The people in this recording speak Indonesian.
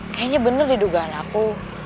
kayaknya bener didugaan aku